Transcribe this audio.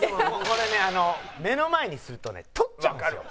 これねあの目の前にするとね取っちゃうんですよ。